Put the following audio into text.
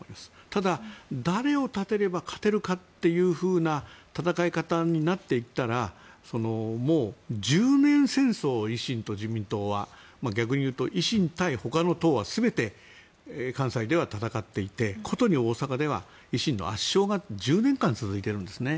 ただ、誰を立てれば勝てるかという戦い方になっていったらもう１０面戦争を維新と公明逆に言うと、維新対ほかの党は全て関西では戦っていて殊に大阪で維新の圧勝が１０年間続いているんですね。